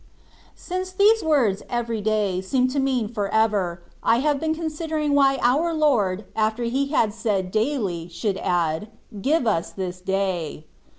Since these words " every day ^* seem to mean for ever, 1 have been considering why our Lord, after He had said " daily,^' should add, " Give us this day.